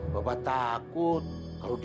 ya ampun bapak kenapa nggak bilang dari tadi